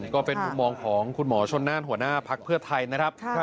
ก็เป็นมุมมองของคุณหมอชนน่านหัวหน้าพักเพื่อไทยนะครับ